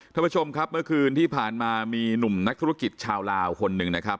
ท่านผู้ชมครับเมื่อคืนที่ผ่านมามีหนุ่มนักธุรกิจชาวลาวคนหนึ่งนะครับ